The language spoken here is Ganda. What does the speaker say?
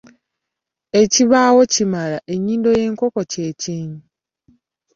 Ekibaawo kimala, ennyindo y’enkoko kye kyenyi.